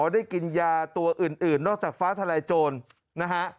ได้กินยาตัวอื่นนอกจากฟ้าทลายโจรนะฮะ